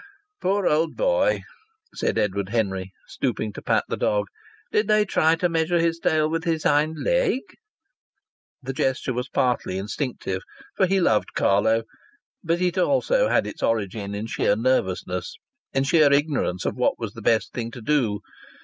"Poor old boy!" said Edward Henry, stooping to pat the dog. "Did they try to measure his tail with his hind leg?" The gesture was partly instinctive, for he loved Carlo; but it also had its origin in sheer nervousness, in sheer ignorance of what was the best thing to do.